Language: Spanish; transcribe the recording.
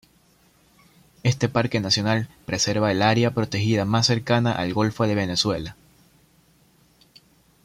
Este Parque Nacional preserva el área protegida más cercana al Golfo de Venezuela.